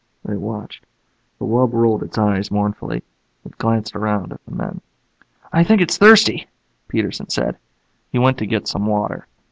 They watched. The wub rolled its eyes mournfully. It gazed around at the men. "I think it's thirsty," Peterson said. He went to get some water.